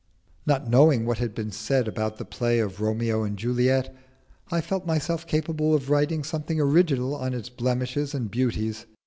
Not knowing what had been said about the play of Romeo and Juliet, I felt myself capable of writing something original on its blemishes and beauties.